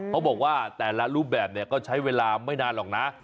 เขาบอกว่าแต่ละรูปแบบเนี่ยก็ใช้เวลาไม่นานหรอกนะ